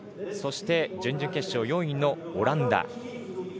そして、準々決勝４位のオランダ。